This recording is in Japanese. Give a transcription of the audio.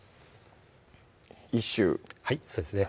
１周はいそうですね